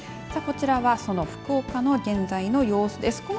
こちらはその福岡の現在の様子です。